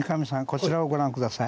こちらをご覧下さい。